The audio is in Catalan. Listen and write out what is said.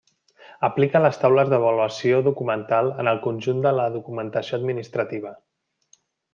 Aplica les taules d'avaluació documental en el conjunt de la documentació administrativa.